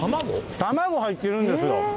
卵入っているんですよ。